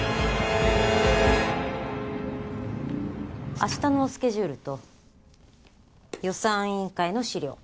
明日のスケジュールと予算委員会の資料。